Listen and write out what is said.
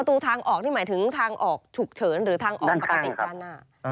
ตรงทางออกนี่หมายถึงทางออกฉุกเฉินหรือทางออกปกติด้านหน้า